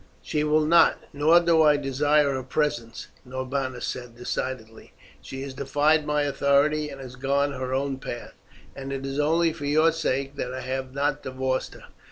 "She will not, nor do I desire her presence," Norbanus said decidedly. "She has defied my authority and has gone her own path, and it is only for your sake that I have not divorced her.